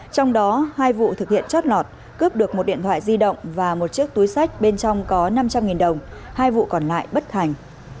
trong đó hai vụ thực hiện chót lọt cướp được một điện thoại di động và một chiếc túi sách bên trong có năm trăm linh đồng hai vụ còn lại bất hành